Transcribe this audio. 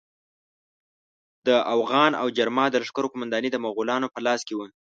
د اوغان او جرما د لښکرو قومانداني د مغولانو په لاس کې وه.